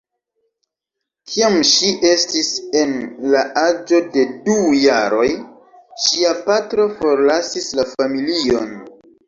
Kiam ŝi estis en la aĝo de du jaroj ŝia patro forlasis la familion.